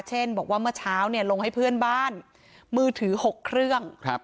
เช่นบอกว่าเมื่อเช้าลงให้เพื่อนบ้านมือถือ๖เครื่อง